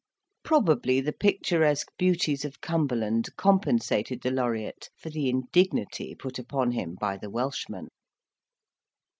Probably the picturesque beauties of Cumberland compensated the Laureate for the indignity put upon him by the Welshman.